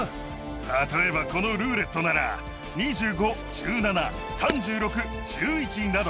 例えばこのルーレットなら２５１７３６１１など。